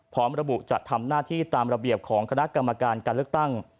พร้อมระบุจะทำหน้าที่ตามระเบียบของคณะกรรมการการเลือกตั้ง